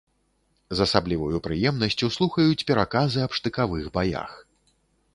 З асабліваю прыемнасцю слухаюць пераказы аб штыкавых баях.